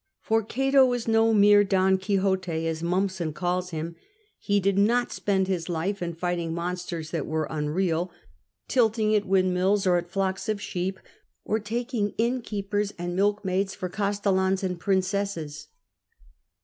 For Cato was no mere Don Quixote, as Mommsen calls him ; he did not spend his life in fighting monsters that were unreal, tilting THE YOUTH OE CATO 205 at windmills or at flocks of sheep, or taking innkeepers and milkmaids for castellans and princesses.